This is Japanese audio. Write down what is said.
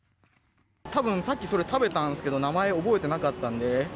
たぶん、さっきそれ食べたんですけど、名前覚えてなかったんで。